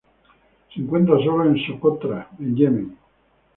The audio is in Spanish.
Se encuentra solo en Socotra en Yemen.